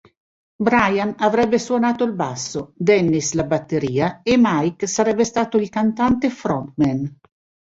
Brian avrebbe suonato il basso, Dennis la batteria e Mike sarebbe stato il cantante-frontman.